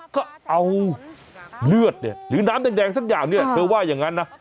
ก็เอาเลือดเนี่ยหรือน้ำแดงสักอย่างเนี่ยเธอว่าอย่างนั้นนะ